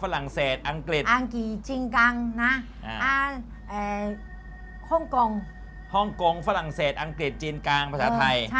ห้องกงฝรั่งเศสอังกฤษจีนกลางภาษาไทย